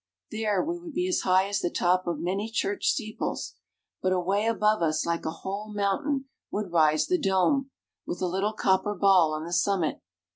There we would be as high as the top of many church steeples, but away above us, like a whole mountain, would rise the dome, with a little copper ball on the summit.